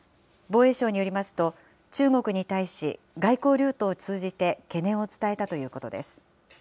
防衛省によりますと、中国に対し、外交ルートを通じて懸念を伝えたということです。